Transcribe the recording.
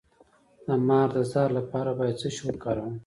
د مار د زهر لپاره باید څه شی وکاروم؟